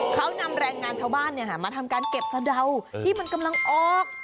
เขานำแรงงานชาวบ้านมาทำการเก็บสะเดาที่มันกำลังออก